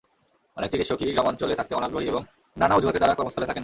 অনেক চিকিৎসকই গ্রামাঞ্চলে থাকতে অনাগ্রহী এবং নানা অজুহাতে তারা কর্মস্থলে থাকেন না।